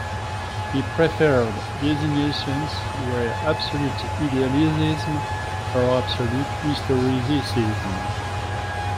His preferred designations were "Absolute Idealism" or "Absolute Historicism".